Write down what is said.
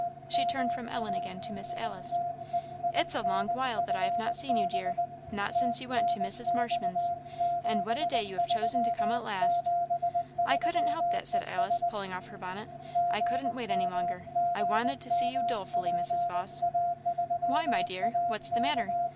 She turned from Ellen again to Miss Alice. "It's a long while that I have not seen you, dear not since you went to Mrs. Marshman's. And what a day you have chosen to come at last!" "I can't help that," said Alice, pulling off her bonnet, "I couldn't wait any longer. I wanted to see you dolefully, Mrs. Vawse." "Why, my dear? what's the matter?